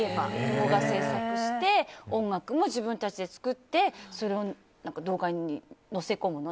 動画制作して音楽も自分たちで作ってそれを動画に載せこむの？